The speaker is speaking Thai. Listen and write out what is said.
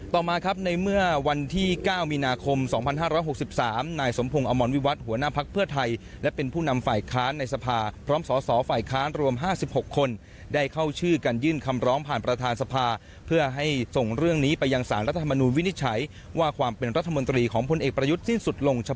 ต่อมาครับในเมื่อวันที่๙มีนาคม๒๕๖๓นายสมพงศ์อมรวิวัตรหัวหน้าพักเพื่อไทยและเป็นผู้นำฝ่ายค้านในสภาพร้อมสอสอฝ่ายค้านรวม๕๖คนได้เข้าชื่อกันยื่นคำร้องผ่านประธานสภาเพื่อให้ส่งเรื่องนี้ไปยังสารรัฐธรรมนูลวินิจฉัยว่าความเป็นรัฐมนตรีของพลเอกประยุทธ์สิ้นสุดลงช